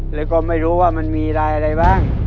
หรือก็ไม่รู้ว่ามันมีอะไรอะไรบ้าง